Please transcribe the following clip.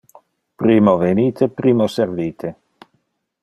Primo venite, primo servite.